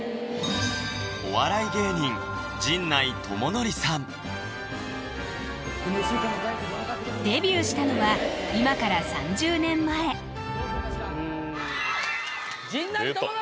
お笑い芸人デビューしたのは今から３０年前陣内智則！